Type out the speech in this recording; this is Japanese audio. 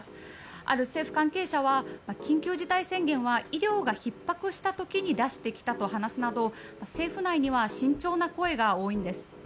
ある政府関係者は緊急事態宣言は医療がひっ迫していた時に出してきたなどと政府内には慎重な声が多いんです。